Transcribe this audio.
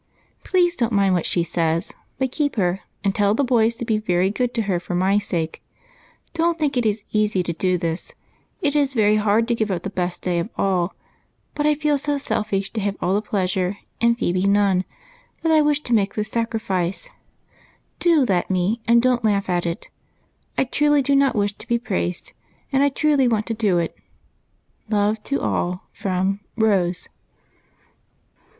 Please don't mind what she says, but keep her, and tell the boys to be very good to her for my sake. Don't think it is easy to do this ; it is verj^ hard to give up the best day of all, but I feel so selfish to have all the pleasure, and Phebe none, that I wish to make this sacrifice. Do let me, and don't laugh at it ; I truly do not wish to be praised, and I truly want to do it. Love to all from " Rose."